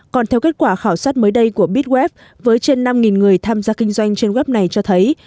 còn theo kết quả khảo sát mới đây của bit web với trên năm người tham gia kinh doanh trên web này cho thấy